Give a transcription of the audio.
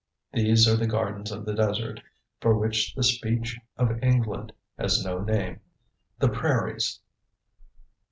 "These are the gardens of the desert, for which the speech of England has no name the Prairies."